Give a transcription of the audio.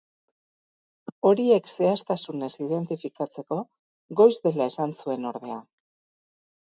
Horiek zehaztasunez identifikatzeko goiz dela esan zuen ordea.